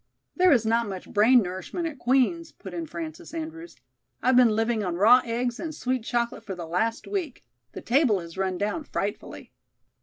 "There is not much brain nourishment at Queen's," put in Frances Andrews. "I've been living on raw eggs and sweet chocolate for the last week. The table has run down frightfully."